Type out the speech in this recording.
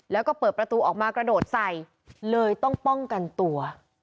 แล้วก็เปิดประตูออกมากระโดดใส่เลยต้องป้องกันตัว